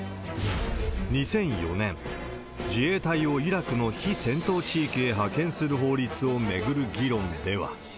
２００４年、自衛隊をイラクの非戦闘地域へ派遣する法律を巡る議論では。